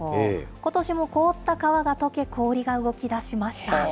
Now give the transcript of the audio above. ことしも凍った川がとけ、氷が動きだしました。